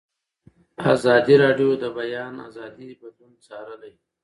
ازادي راډیو د د بیان آزادي بدلونونه څارلي.